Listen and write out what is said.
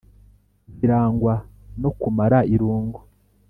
zirangwa no kumara irungu